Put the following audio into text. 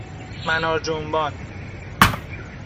منار جنبان